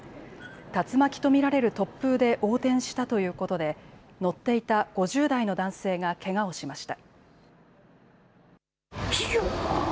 竜巻と見られる突風で横転したということで乗っていた５０代の男性がけがをしました。